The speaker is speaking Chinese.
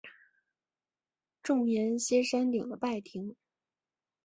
重檐歇山顶的拜亭。